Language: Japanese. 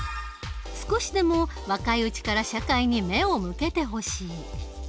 少しでも若いうちから社会に目を向けてほしい。